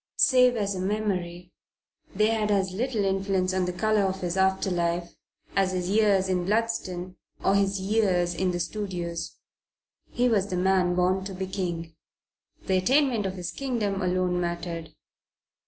Save as a memory they had as little influence on the colour of his after life as his years at Bludston or his years in the studios. He was the man born to be king. The attainment of his kingdom alone mattered.